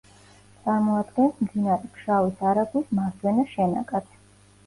წარმოადგენს მდინარე ფშავის არაგვის მარჯვენა შენაკადს.